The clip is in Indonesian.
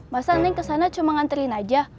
masa neng kesana cuma nganterin aja